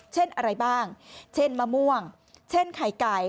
เช่นอะไรบ้างเช่นมะม่วงเช่นไข่ไก่